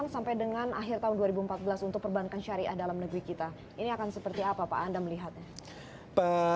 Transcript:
sampai dengan akhir tahun dua ribu empat belas untuk perbankan syariah dalam negeri kita ini akan seperti apa pak anda melihatnya